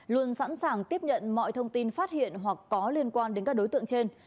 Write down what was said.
luôn sẵn sàng tiếp nhận mọi thông tin phát hiện hoặc có liên quan đến các đối tượng trên